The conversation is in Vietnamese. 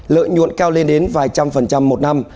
lợi nhuận cao lên đến vài trăm phần trăm một năm